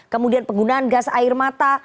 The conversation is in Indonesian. kemudian penggunaan gas air mata